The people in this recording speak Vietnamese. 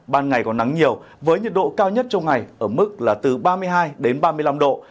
ban ngày có nắng nhiều với nhiệt độ cao nhất trong ngày ở mức là từ ba mươi hai đến ba mươi năm độ